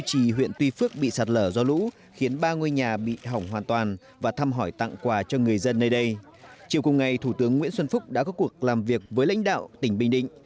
chiều cùng ngày thủ tướng nguyễn xuân phúc đã có cuộc làm việc với lãnh đạo tỉnh bình định